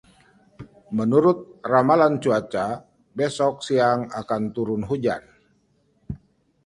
Menurut ramalan cuaca, besok siang akan turun hujan.